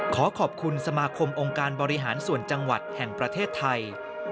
ขอขอบคุณสมาคมองค์การบริหารส่วนจังหวัดแห่งประเทศไทย